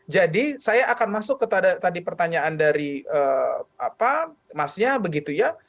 jadi saya akan masuk ke tadi pertanyaan dari masnya begitu ya